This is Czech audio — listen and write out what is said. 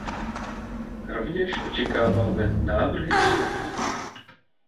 Rovněž očekáváme návrhy ostatních.